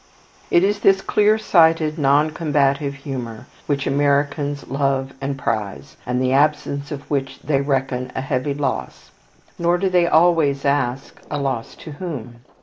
It is this clear sighted, non combative humour which Americans love and prize, and the absence of which they reckon a heavy loss. Nor do they always ask, "a loss to whom?"